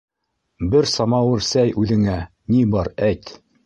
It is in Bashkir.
Бер самауыр сәй үҙеңә, ни бар, әйт.